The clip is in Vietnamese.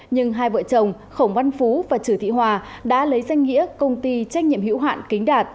nhưng hai vợ chồng khổng văn phú và trừ thị hòa đã lấy danh nghĩa công ty trách nhiệm hữu hạn kính đạt